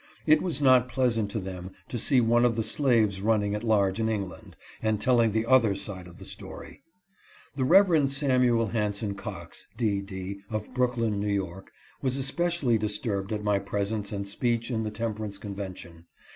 It was not pleasant to them to see one of the slaves run ning at large in England, and telling the other side of the 13 306 DE. S. H. cox. story. The Rev. Samuel Hanson Cox, D. D., of Brook lyn, N. Y., was especially disturbed at my presence and speech in the Temperance Convention.